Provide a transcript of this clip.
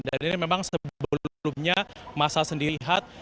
dan ini memang sebelumnya masa sendiri lihat